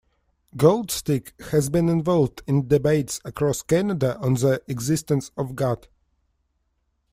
Goldstick has been involved in debates across Canada on the existence of God.